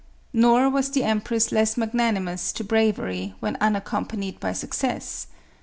Nor was the empress less magnanimous to bravery when unaccompanied by success.